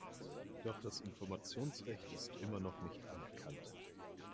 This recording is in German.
Doch das Informationsrecht ist immer noch nicht anerkannt.